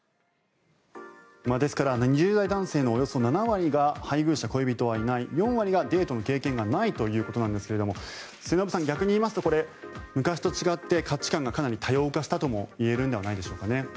ですから２０代男性のおよそ７割が配偶者、恋人はいない４割がデートの経験がないということなんですが末延さん、逆に言いますとこれ、昔と違って価値観がかなり多様化したとも言えるんじゃないんですかね。